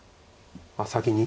あっ先に？